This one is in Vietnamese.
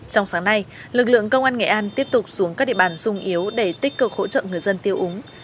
trong sáng nay lực lượng công an nghệ an tiếp tục xuống các địa bàn sung yếu để tích cực hỗ trợ người dân tiêu úng